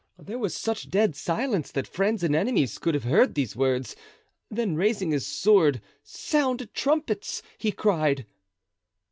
There was such dead silence that friends and enemies could have heard these words; then raising his sword, 'Sound trumpets!' he cried."